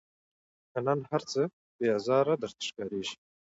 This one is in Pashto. که نن هرڅه بې آزاره در ښکاریږي